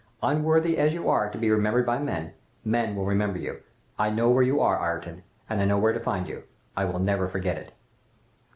Unworthy as you are to be remembered by men, men will remember you. I know where you are Ayrton, and I know where to find you. I will never forget it!